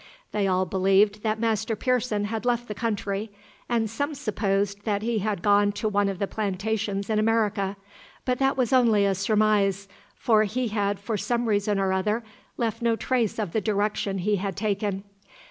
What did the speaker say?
They all believed that Master Pearson had left the country, and some supposed that he had gone to one of the plantations in America, but that was only a surmise, as he had for some reason or other left no trace of the direction he had taken.